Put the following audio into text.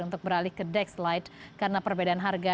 untuk beralih ke dexlite karena perbedaan harga